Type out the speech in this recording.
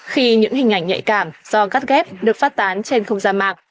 khi những hình ảnh nhạy cảm do gắt ghép được phát tán trên không gian mạng